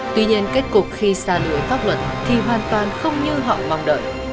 tuy nhiên kết cục khi xa đuổi pháp luật thì hoàn toàn không như họ mong đợi